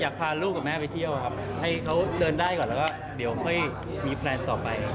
พาลูกกับแม่ไปเที่ยวครับให้เขาเดินได้ก่อนแล้วก็เดี๋ยวค่อยมีแพลนต่อไป